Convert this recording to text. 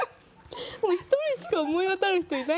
１人しか思い当たる人いないんだけど。